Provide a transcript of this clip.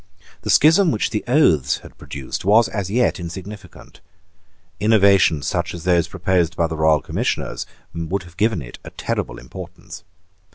The schism which the oaths had produced was, as yet, insignificant. Innovations such as those proposed by the Royal Commissioners would have given it a terrible importance.